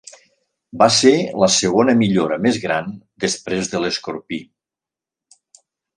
Va ser la segona millora més gran després de l'escorpí.